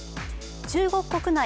中国国内